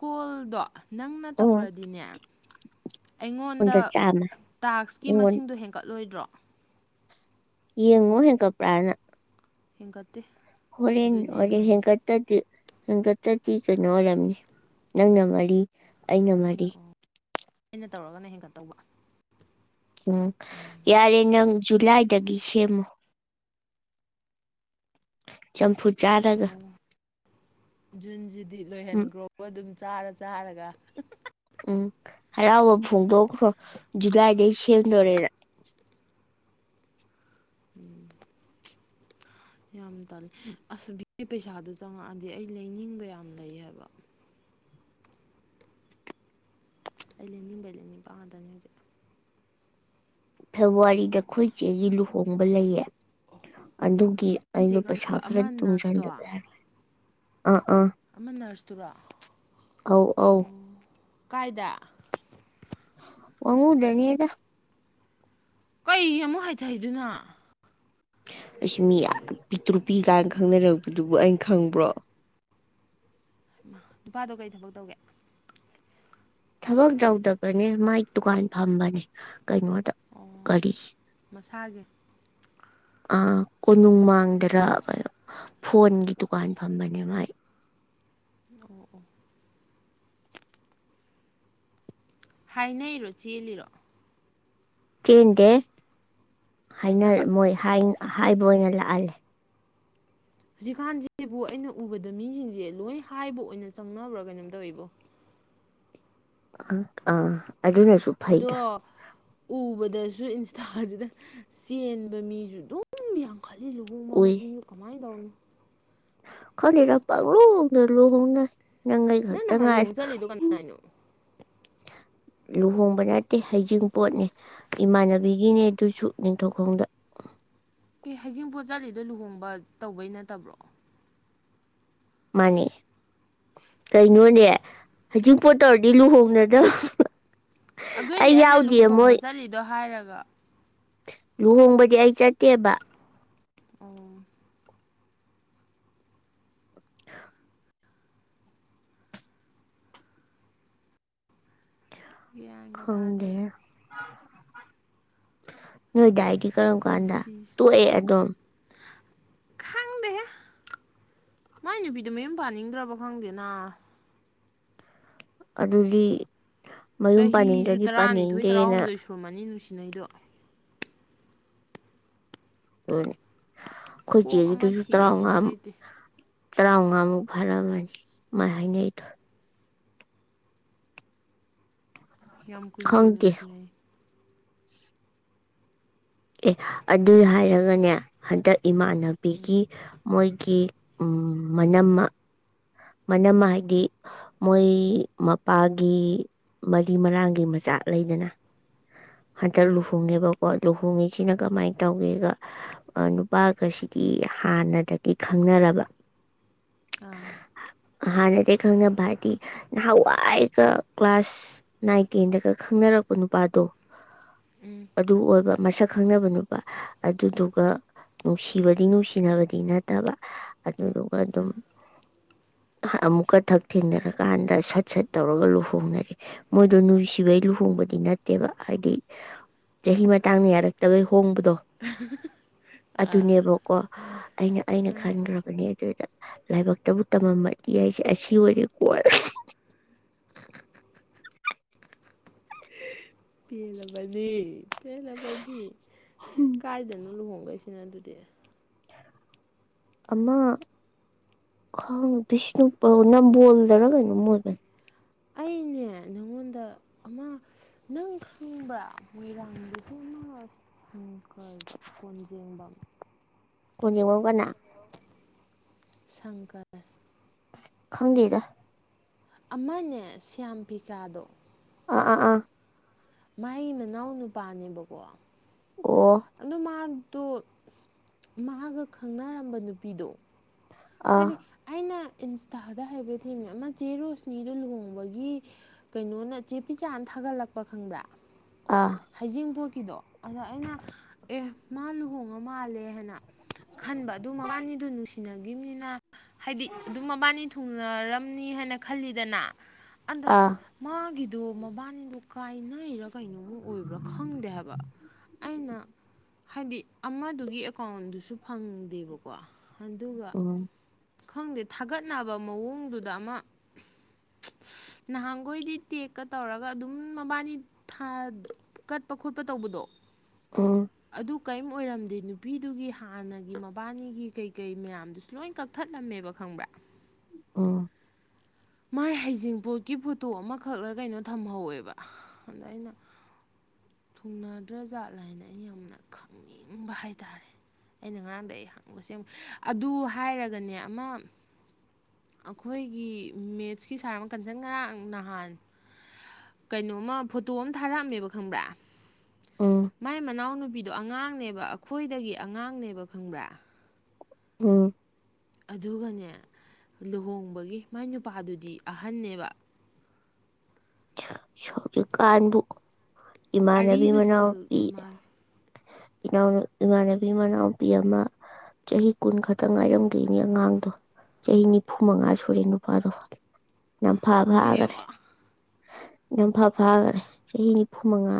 ꯀꯣꯜꯗꯣ ꯅꯪꯅ ꯎꯝ ꯇꯧꯔꯗꯤꯅꯦ ꯑꯩꯉꯣꯟꯗ ꯍꯨꯝꯗ ꯆꯥꯝꯃ ꯇꯥꯛꯁꯀꯤ ꯌꯦꯡꯉꯣꯟ ꯃꯁꯤꯡꯗꯣ ꯍꯦꯟꯒꯠꯂꯣꯏꯗ꯭ꯔꯣ ꯌꯦꯡꯉꯣ ꯍꯦꯟꯀꯄ꯭ꯔꯥꯅ ꯏꯪꯀ ꯍꯣꯔꯦꯟꯔꯦ ꯍ ꯀꯇꯥꯗ ꯍꯪꯀꯛꯇꯗꯤ ꯀꯩꯅꯣ ꯑꯣꯏꯔꯝꯅꯤ ꯅꯪꯅ ꯃꯔꯤ ꯑꯩꯅ ꯃꯔꯤ ꯑꯣ ꯑꯩꯅ ꯇꯧꯔꯒꯅ ꯍꯦꯟꯒꯠꯇꯧꯕ ꯎꯝ ꯌꯥꯔꯦ ꯅꯪ ꯖꯨꯂꯥꯏꯗꯒꯤ ꯁꯦꯝꯃꯣ ꯆꯝꯐꯨ ꯆꯥꯔꯒ ꯑꯣ ꯖꯨꯟꯁꯤꯗꯤ ꯎꯝ ꯂꯣꯏꯍꯟꯈ꯭ꯔꯣꯕ ꯑꯗꯨꯝ ꯆꯥꯔ ꯆꯥꯔꯒ ꯎꯝ ꯍꯔꯥꯎꯕ ꯐꯣꯡꯗꯣꯛꯈ꯭ꯔꯣ ꯖꯨꯂꯥꯏꯗꯒꯤꯩ ꯁꯦꯝꯗꯣꯔꯦꯔ ꯎꯝ ꯌꯥꯝ ꯇꯜꯂꯦ ꯑꯁ ꯚ ꯄꯩꯁꯥꯗꯨ ꯆꯪꯉꯛꯑꯗꯤ ꯑꯩ ꯂꯩꯅꯤꯡꯕ ꯌꯥꯝ ꯂꯩ ꯍꯥꯏꯕ ꯑꯩ ꯂꯩꯅꯤꯡꯕꯂꯦ ꯅꯤꯡ ꯄꯗꯅꯤ ꯍꯧꯖꯤꯛ ꯐꯦꯕꯋꯥꯔꯤꯗ ꯑꯩꯈꯣꯏ ꯆꯦꯒꯤ ꯂꯨꯍꯣꯡꯕ ꯂꯩꯌꯦ ꯑꯗꯨꯒꯤ ꯅꯣꯏ ꯆꯦ ꯑꯩꯗꯣ ꯀꯔꯝꯕ ꯄꯩꯁꯥ ꯈꯔ ꯑꯃ ꯅꯔꯁꯇꯣ ꯇꯨꯡꯁꯤꯟꯂꯕꯦ ꯍꯥꯏꯔꯣꯏ ꯑꯥ ꯑ ꯀꯇꯔꯥ ꯑꯧ ꯑꯧ ꯀꯥꯏꯗ ꯋꯥꯉꯎꯗꯅꯤꯗ ꯀꯩ ꯑꯃꯨꯛ ꯍꯥꯏꯊꯩꯗꯨꯅ ꯑꯩꯁꯨ ꯃꯤ ꯇ꯭ꯔꯨꯄꯤ ꯀꯥꯏꯅ ꯈꯪꯅꯔꯛꯄꯗꯨꯕꯨ ꯑꯩꯅ ꯈꯪꯕ꯭ꯔꯣ ꯅꯨꯄꯥꯗꯣ ꯀꯔꯤ ꯊꯕꯛ ꯇꯧꯒꯦ ꯊꯕꯛ ꯇꯧꯗꯕꯅꯦ ꯃꯥꯏ ꯗꯨꯀꯥꯟ ꯐꯝꯕꯅꯦ ꯀꯩꯅꯣꯗ ꯑꯣ ꯀꯔꯤ ꯃꯁꯥꯒꯤ ꯀꯣꯅꯨꯡ ꯃꯥꯡꯗꯔ ꯐꯣꯟꯒꯤ ꯗꯨꯀꯥꯟ ꯐꯝꯕꯅꯦ ꯃꯥꯏ ꯑꯣ ꯑꯣ ꯍꯥꯏꯅꯩꯔꯣ ꯆꯦꯜꯂꯤꯔꯣ ꯀꯗꯦ ꯍꯥꯏꯅꯕ ꯍꯥꯏꯅꯔ ꯃꯣꯏ ꯍꯥꯏ ꯍꯥꯏꯕ ꯑꯣꯏꯅ ꯂꯥꯛꯑꯜꯂꯦ ꯍꯧꯖꯤꯛꯀꯥꯟꯁꯤꯕꯨ ꯑꯩꯅ ꯎꯕꯗ ꯃꯤꯁꯤꯡꯁꯦ ꯂꯣꯏ ꯍꯥꯏꯕ ꯑꯣꯏꯅ ꯆꯪꯅꯕ꯭ꯔꯥ ꯀꯩꯅꯣꯝ ꯇꯧꯋꯤꯕꯣ ꯑꯥ ꯑꯗꯨꯅꯁꯨ ꯐꯩꯗ ꯑꯗꯣ ꯎꯕꯗꯁꯨ ꯏꯟꯁꯇꯥꯗꯨꯗ ꯆꯦꯟꯕ ꯃꯤꯁꯨ ꯑꯗꯨꯝ ꯌꯥꯝ ꯈꯜꯂꯤ ꯂꯨꯍꯣꯡꯕ ꯃꯁꯤꯡꯗꯨ ꯀꯃꯥꯏꯅ ꯇꯧꯅꯣ ꯈꯅꯤꯔ ꯂꯨꯅ ꯂꯨꯅ ꯅ ꯅ ꯍꯜꯂꯨ ꯆꯠꯂꯤꯗꯨ ꯀꯥꯟꯅꯣ ꯂꯨꯍꯣꯡꯕ ꯅꯠꯇꯦ ꯍꯩꯖꯤꯡ ꯄꯣꯠꯅꯦ ꯏꯃꯥꯟꯅꯕꯤꯒꯤꯅꯦ ꯑꯗꯨꯁꯨ ꯅꯤꯡꯊꯧꯈꯣꯡꯗ ꯀ ꯍꯩꯖꯤꯡ ꯄꯣꯠ ꯆꯠꯂꯤꯗꯣ ꯂꯨꯍꯣꯡꯕ ꯇꯧꯕꯩ ꯅꯠꯇꯕ꯭ꯔꯣ ꯃꯅꯤ ꯀꯩꯅꯣꯅꯦ ꯍꯧꯖꯤꯛ ꯄꯣꯠ ꯇꯧꯔꯗꯤ ꯂꯨꯍꯣꯡꯗꯗ ꯑꯗꯨꯑꯣꯏꯗꯤ ꯑꯩꯅ ꯂꯨꯍꯣꯡꯕ ꯆꯠꯂꯤꯗꯣ ꯍꯥꯏꯔꯒ ꯂꯨꯍꯣꯡꯕꯗꯤ ꯑꯩ ꯆꯠꯇꯦꯕ ꯑꯣ ꯌꯦꯒ ꯇꯥꯗꯠ ꯅꯣꯏꯗꯏꯗꯤ ꯀꯔꯝ ꯀꯥꯟꯗ ꯇꯣꯛꯑꯦ ꯑꯗꯨꯝ ꯈꯪꯗꯦ ꯃꯥꯏ ꯅꯨꯄꯤꯗꯨ ꯃꯌꯨꯝ ꯄꯥꯅꯤꯡꯗ꯭ꯔꯕ ꯈꯪꯗꯦꯅ ꯑꯗꯨꯒꯤ ꯆꯍꯤꯁꯨ ꯇꯔꯥꯅꯤꯊꯣꯏ ꯇꯔꯥꯍꯨꯝꯗꯣꯏ ꯁꯨꯔꯨꯝꯃꯅꯤ ꯅꯨꯡꯁꯤ ꯁꯤꯅꯩꯗꯣ ꯎ ꯑꯩꯈꯣꯏ ꯀꯣꯛ ꯑꯃ ꯆꯗꯁꯨ ꯇ꯭ꯔ ꯊꯤꯔꯒꯗꯤ ꯉꯝ ꯂꯩꯇꯦ ꯇꯔꯥꯃꯉꯥꯃꯨꯛ ꯐꯔꯕꯅꯤ ꯃꯥꯏ ꯍꯥꯏꯅꯦ ꯑꯩꯗ ꯌꯥꯝ ꯀꯨꯏꯅ ꯀꯨꯏ ꯈꯪꯗꯦ ꯅꯨꯡꯁꯤꯅꯩ ꯑꯦ ꯑꯗꯨꯏ ꯍꯥꯏꯔꯒꯅꯦ ꯍꯟꯗꯛ ꯏꯃꯥꯟꯅꯕꯤꯒꯤ ꯃꯣꯏ ꯀꯤ ꯃꯅꯝ ꯃꯅꯝ ꯍꯥꯏꯗꯤ ꯃꯣꯏ ꯃꯄꯥꯒꯤ ꯃꯔꯤ ꯃꯔꯥꯡꯒꯤ ꯃꯆꯥꯛ ꯂꯩꯗꯅ ꯍꯇꯛ ꯎꯝ ꯂꯨꯍꯣꯡꯉꯦꯕ ꯀ ꯂꯨꯍꯣꯡꯉꯤꯁꯤꯅ ꯀꯃꯥꯏꯅ ꯇꯧꯒꯦꯒ ꯅꯨꯄꯥꯒꯁꯤꯗꯤ ꯍꯥꯟꯅꯗꯒꯤ ꯈꯪꯅꯔꯕ ꯑ ꯍꯥꯟꯅꯗꯒꯤ ꯈꯪꯅꯕ ꯍꯥꯏꯗꯤ ꯅꯍꯥꯟꯋꯥꯏꯒ ꯀ꯭ꯂꯥꯁ ꯅꯥꯏꯟ ꯇꯦꯟꯗꯒ ꯈꯪꯅꯔꯛꯄ ꯅꯨꯄꯥꯗꯣ ꯎꯝ ꯑꯗꯨ ꯑꯣꯏꯕ ꯃꯁꯛ ꯈꯪꯅꯕ ꯅꯨꯄꯥ ꯑꯗꯨꯗꯨꯒ ꯅꯨꯡꯁꯤꯕꯗꯤ ꯅꯨꯡꯁꯤꯅꯕꯗꯤ ꯅꯠꯇꯕ ꯑꯗꯨꯗꯨꯒ ꯑꯗꯨꯝ ꯑꯃꯨꯛꯀ ꯊꯛ ꯊꯦꯡꯅꯔꯀꯥꯟꯗ ꯁꯠ ꯁꯠ ꯇꯧꯔꯒ ꯂꯨꯍꯣꯡꯅꯔꯤ ꯃꯣꯏꯗꯣ ꯅꯨꯡꯁꯤꯕꯩ ꯂꯨꯍꯣꯡꯕꯗꯤ ꯅꯠꯇꯦꯕ ꯍꯥꯏꯗꯤ ꯆꯍꯤ ꯃꯇꯥꯡꯗ ꯌꯥꯔꯛꯇꯕꯩ ꯍꯣꯡꯕꯗꯣ ꯑꯗꯨꯅꯦꯕꯀꯣ ꯑꯩꯅ ꯑꯩꯅ ꯈꯟꯈ꯭ꯔꯕꯅꯦ ꯑꯗꯨ ꯂꯥꯏꯕꯛꯇꯕꯨ ꯇꯝꯃꯝꯃꯗꯤ ꯑꯩꯁꯦ ꯑꯁꯤ ꯑꯣꯏꯔꯦꯀꯣꯔꯦ ꯄꯦꯜꯂꯕꯅꯤ ꯄꯦꯜꯂꯕꯗꯤ ꯀꯥꯏꯗꯅꯣ ꯂꯨꯍꯣꯡ ꯀꯩꯁꯤꯅ ꯑꯗꯨꯗꯤ ꯑꯃ ꯈꯪꯗꯦ ꯅꯝꯕꯣꯜꯗꯔꯥ ꯀꯩꯅꯣꯝ ꯑꯣꯏꯕꯅꯤ ꯑꯩꯅꯦ ꯅꯪꯉꯣꯟꯗ ꯑꯃ ꯅꯪ ꯈꯪꯕ꯭ꯔ ꯃꯣꯏꯔꯥꯡꯗꯒꯤ ꯑꯃ ꯁꯪꯀꯥꯔꯗꯣ ꯀꯣꯟꯖꯦꯡꯕꯝ ꯀꯖꯤꯡꯉꯨꯒ ꯁꯪꯒꯔꯦ ꯈꯪꯒꯦꯒ ꯑꯃꯅꯦ ꯁ꯭ꯌꯥꯝ ꯄꯤꯖꯥꯗꯣ ꯑꯥ ꯑꯥ ꯑꯥ ꯃꯥꯏ ꯃꯅꯥꯎ ꯅꯨꯄꯥꯅꯦꯕꯀꯣ ꯑꯣ ꯑꯗꯨ ꯃꯥ ꯇꯣ ꯃꯥꯒ ꯈꯪꯅꯔꯝꯕ ꯅꯨꯄꯤꯗꯣ ꯑꯥ ꯍꯥꯏꯗꯤ ꯑꯏꯩꯅ ꯏꯟꯁꯇꯥꯗ ꯍꯥꯏꯐꯦꯠ ꯊꯦꯡꯅꯩ ꯑꯃ ꯆꯦ ꯔꯣꯁꯅꯤꯗꯣ ꯂꯨꯍꯣꯡꯕꯒꯤ ꯀꯩꯅꯣꯅ ꯆꯦ ꯄꯤꯆꯥꯥꯅ ꯊꯥꯒꯠꯂꯛꯄ ꯈꯪꯕ꯭ꯔꯥ ꯑꯥ ꯍꯩꯖꯤꯡꯄꯣꯠ ꯐꯤꯗꯣ ꯑꯗ ꯑꯩꯅ ꯑꯦ ꯃꯥ ꯂꯨꯍꯣꯡꯉ ꯃꯥꯜꯂꯦ ꯍꯥꯏꯅ ꯈꯟꯕ ꯑꯗꯨ ꯃꯕꯥꯅꯤꯗꯨ ꯅꯨꯡꯁꯤꯅ ꯒꯤ ꯃꯤꯅ ꯍꯥꯏꯗꯤ ꯑꯗꯨꯝ ꯃꯕꯥꯅꯤ ꯊꯨꯡꯅꯔꯝꯅꯤ ꯍꯥꯏꯅ ꯈꯜꯂꯤꯗꯅ ꯑꯗ ꯑꯥ ꯃꯥꯒꯤ ꯑꯗꯣ ꯃꯕꯥꯅꯤꯗꯣ ꯀꯥꯏꯅꯩꯔꯥ ꯀꯩꯅꯣꯃ ꯑꯣꯏꯕ꯭ꯔꯥ ꯈꯪꯗꯦ ꯍꯥꯏꯕ ꯑꯩꯅ ꯍꯥꯏꯗꯤ ꯑꯃꯗꯨꯒꯤ ꯑꯦꯀꯥꯎꯟꯗꯨꯁꯨ ꯐꯪꯗꯦꯕꯀꯣ ꯑꯗꯨꯒ ꯎꯝ ꯈꯪꯗꯦ ꯊꯥꯒꯠꯅꯕ ꯃꯑꯣꯡꯗꯨꯗ ꯑꯃ ꯅꯍꯥꯟꯈꯣꯏꯗꯤ ꯇꯦꯛꯀ ꯇꯧꯔꯒ ꯑꯗꯨꯝ ꯃꯕꯥꯅꯤ ꯀꯠꯄ ꯈꯣꯠꯄ ꯇꯧꯕꯗꯣ ꯎꯝ ꯑꯗꯨ ꯀꯔꯤꯝ ꯑꯣꯏꯔꯝꯗꯦ ꯅꯨꯄꯤꯗꯨꯒꯤ ꯍꯥꯟꯅꯒꯤ ꯃꯕꯥꯅꯤꯒꯤ ꯀꯩ ꯀꯩ ꯃꯌꯥꯝꯗꯨꯁꯨ ꯂꯣꯏ ꯀꯛꯊꯠꯂꯝꯃꯦꯕ ꯈꯪꯕ꯭ꯔꯥ ꯑꯣ ꯃꯥꯏ ꯍꯩꯖꯤꯡꯄꯣꯠꯀꯤ ꯐꯣꯇꯣ ꯑꯃꯈꯛꯂ ꯀꯩꯅꯣ ꯊꯝꯍꯧꯋꯦꯕ ꯑꯗ ꯑꯩꯅ ꯊꯨꯡꯅꯗ꯭ꯔ ꯖꯥꯠꯂ ꯍꯥꯏꯅ ꯑꯩꯅ ꯌꯥꯝꯅ ꯈꯪꯅꯤꯡꯕ ꯍꯥꯏꯇꯥꯥꯔꯦ ꯑꯩꯅꯉꯥꯡꯗ ꯑꯩ ꯍꯪꯕꯁꯦ ꯑꯗꯨ ꯍꯥꯏꯔꯒꯅꯦ ꯑꯃ ꯑꯩꯈꯣꯏꯒꯤ ꯃꯦꯠꯁꯀꯤ ꯁꯥꯔ ꯑꯃ ꯀꯟꯖꯪ ꯈꯔꯥꯡ ꯅꯍꯥꯟ ꯀꯩꯅꯣꯃ ꯐꯣꯇꯣ ꯑꯃ ꯊꯥꯔꯛꯑꯝꯃꯦꯕ ꯈꯪꯕ꯭ꯔꯥ ꯎꯝ ꯃꯥꯏ ꯃꯅꯥꯎꯅꯨꯄꯤꯗꯣ ꯑꯉꯥꯡ ꯅꯦꯕ ꯑꯩꯈꯣꯏꯗꯒꯤ ꯑꯉꯥꯡꯅꯦꯕ ꯈꯪꯕ꯭ꯔꯥ ꯎꯝ ꯑꯗꯨꯒꯅꯦ ꯂꯨꯍꯣꯡꯕꯒꯤ ꯃꯥꯏ ꯅꯨꯄꯥꯗꯨꯗꯤ ꯑꯍꯟꯅꯟꯅꯦꯕ ꯁ ꯀꯟꯕꯨ ꯏꯃꯥꯅꯕꯤ ꯃꯅꯥꯎ ꯑꯔꯤꯕꯗꯨ ꯄ ꯃꯥꯜ ꯏꯅꯥꯎ ꯏꯃꯥꯟꯅꯕꯤ ꯏꯃꯅꯥꯎꯄꯤ ꯑꯃ ꯆꯍꯤ ꯀꯨꯟ ꯈꯛꯇꯪ ꯉꯥꯏꯔꯝꯗꯣꯏꯅꯤ ꯑꯉꯥꯡꯗꯣ ꯆꯍꯤ ꯅꯤꯐꯨ ꯃꯉꯥ ꯁꯨꯔꯦ ꯅꯨꯄꯥꯗꯣ ꯌꯥꯝ ꯐꯥ ꯐꯒꯔꯦ ꯈꯣꯏꯑꯕ ꯌꯥꯝ ꯐ ꯐꯥꯈꯔꯦ ꯆꯍꯤ ꯅꯤꯐꯨ ꯃꯉꯥ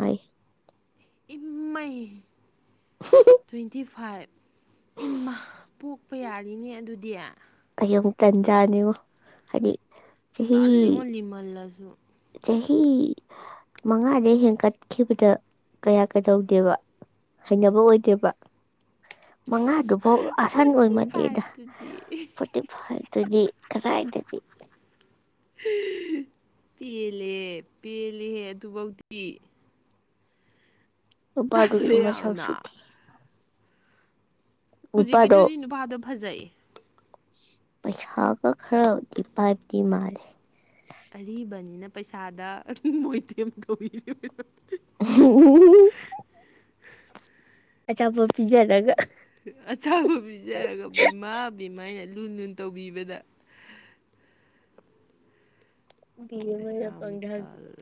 ꯏꯃ ꯇ꯭ꯋꯦꯟꯇꯤ ꯐꯥꯏꯚ ꯏꯃꯄꯣꯛ ꯀꯞꯄ ꯌꯥꯔꯤꯅꯦ ꯑꯗꯨꯗꯤ ꯑꯩ ꯑꯃꯨꯛ ꯇꯟꯖꯥꯅꯦꯕꯣ ꯍꯥꯏꯗꯤ ꯆꯍꯤ ꯇꯜꯂꯤꯉꯣ ꯂꯤꯃꯜꯂꯁꯨ ꯆꯍꯤ ꯃꯉꯥꯗ ꯍꯦꯟꯀꯠꯈꯤꯕꯗ ꯀꯌꯥ ꯀꯩꯗꯧꯗꯦꯕ ꯍꯩꯅꯕ ꯑꯣꯏꯗꯦꯕ ꯃꯉꯥꯗꯨꯐꯥꯎ ꯑꯁꯟ ꯐꯣꯔꯇꯤ ꯑꯣꯏꯃꯗꯦꯗ ꯐꯥꯏꯚꯇꯨꯗꯤ ꯐꯣꯔꯇꯤ ꯐꯥꯏꯚꯇꯨꯗꯤ ꯈꯔꯥꯏꯗꯗꯤ ꯄꯦꯜꯂꯦ ꯄꯦꯜꯂꯦ ꯑꯗꯨꯐꯧꯗꯤ ꯑ ꯄꯗ ꯇꯜꯂꯦ ꯆꯨꯝ ꯌꯥꯝꯅ ꯃꯁꯥꯎꯁꯊꯤ ꯍꯧꯖꯤꯛꯀꯤꯗꯨꯗꯤ ꯅꯨꯄꯥꯗꯣ ꯐꯖꯩ ꯄꯩꯁꯥꯒ ꯈꯔꯗꯤ ꯄꯥꯏꯞꯗꯤ ꯃꯥꯜꯂꯦ ꯑꯔꯤꯕꯅꯤꯅ ꯄꯩꯁꯥꯗ ꯃꯣꯏꯦꯝ ꯇꯧꯤ ꯎꯝ ꯑꯆꯥꯄꯣ ꯄꯤꯖꯔꯒ ꯑꯆꯥꯕꯨ ꯄꯤꯖꯔꯒ ꯕꯤꯃꯥ ꯕꯤꯃꯥꯏ ꯂꯨꯟ ꯂꯨꯟ ꯇꯧꯕꯤꯕꯗ ꯕꯤ ꯃꯅꯄꯪ ꯌꯥꯝ ꯍꯥꯏꯦ ꯇꯜꯂꯦ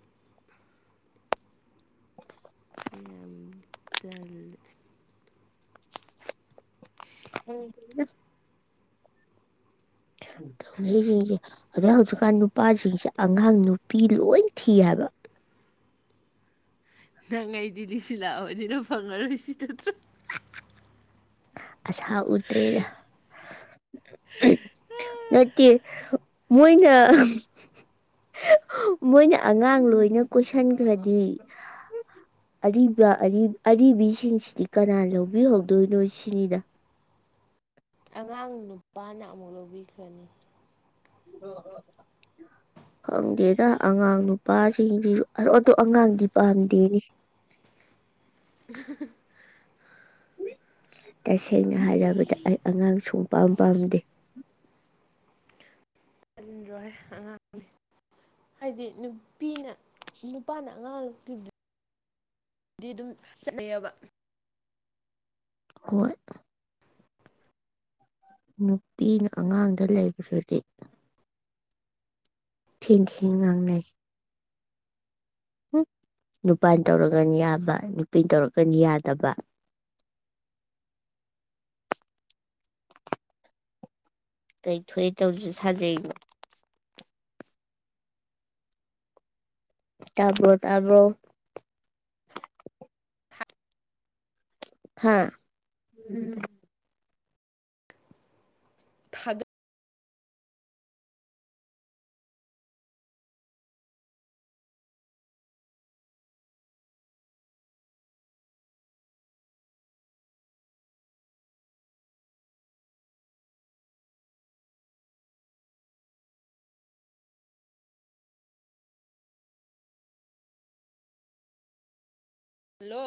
ꯎ ꯌꯥꯝ ꯇꯜꯂꯦ [unintelligible] ꯧꯩꯁꯤꯡꯁꯦ ꯑꯗꯨꯖꯤꯛ ꯍꯧꯖꯤꯛꯀꯥꯟ ꯅꯨꯄꯥꯁꯤꯡꯁꯦ ꯑꯉꯥꯡ ꯅꯨꯄꯤ ꯂꯣꯏ ꯊꯤ ꯍꯥꯏꯕ ꯅꯪ ꯑꯩꯗꯤꯗꯤ ꯁꯤ ꯂꯥꯛꯑꯕꯅꯤꯅ ꯐꯪꯅꯔꯣꯏ ꯁꯤ ꯅꯠꯇ꯭ꯔꯣ ꯑꯁꯍ ꯎꯠꯇ꯭ꯔꯦꯗ ꯅꯠꯇꯦ ꯃꯣꯏꯅ ꯃꯣꯏꯅ ꯑꯉꯥꯡ ꯂꯣꯏꯅ ꯀꯣꯏꯁꯤꯟꯈ꯭ꯔꯗꯤ ꯑꯔꯤꯕ ꯑꯔꯤꯕꯤꯁꯤꯡꯁꯤꯗꯤ ꯀꯅꯥ ꯂꯧꯕꯤꯍꯧꯗꯣꯏꯅꯣ ꯀꯗ ꯑꯉꯥꯡ ꯅꯨꯄꯥꯅ ꯑꯃꯨꯛ ꯂꯧꯕꯤꯈ꯭ꯔꯅꯤ [inaudible] [unintelligible] ꯇꯁꯦꯡꯅ ꯍꯥꯏꯔꯕꯗ ꯑꯩ ꯑꯉꯥꯡ ꯁꯨꯡꯄꯥꯥꯝ ꯄꯥꯝꯗꯦ ꯆꯜꯣꯏ ꯑꯉꯥꯡꯅꯤ ꯍꯥꯏꯗꯤ ꯅꯨꯄꯤꯅ ꯅꯨꯄꯥꯅ ꯑꯉꯥꯡꯗꯨ ꯗꯤ ꯑꯗꯨꯝ ꯆꯠꯅꯩꯑꯕ ꯍꯣꯏ ꯅꯨꯄꯤꯅ ꯑꯉꯥꯡꯗ ꯂꯩꯕꯗꯨꯗꯤ ꯊꯦꯡ ꯊꯦꯡ ꯉꯥꯡꯉꯩ ꯅꯨꯄꯥ ꯇꯧꯔꯒꯅ ꯌꯥꯕ ꯅꯨꯄꯤ ꯇꯧꯔꯒꯅ ꯌꯥꯗꯕ ꯇꯩꯊꯣꯛꯑꯦ ꯇꯧꯁꯨ ꯁꯥꯖꯩꯕ ꯇꯕꯔꯣ ꯇꯕꯔꯣ ꯍꯥꯥ ꯊꯥꯕꯛ ꯍꯂꯣ